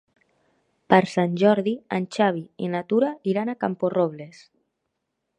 Per Sant Jordi en Xavi i na Tura iran a Camporrobles.